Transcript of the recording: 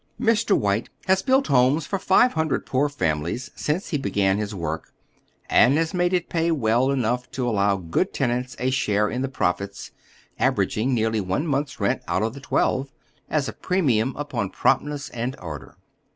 Mr. White lias built homes for five hundred poor fami lies since he began his work, and lias made it pay well enough to allow good tenants a share in the profits, aver aging nearly one month's rent out of tlie twelve, as a pre mium upon promptness and order.